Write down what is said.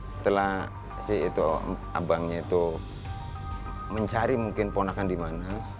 setelah si itu abangnya itu mencari mungkin ponakan dimana